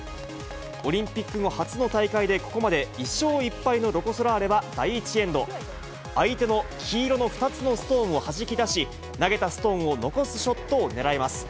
オリンピック後、初の大会で、ここまで１勝１敗のロコ・ソラーレは第１エンド、相手の黄色の２つのストーンをはじき出し、投げたストーンを残すショットを狙います。